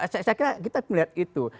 saya kira kita melihat itu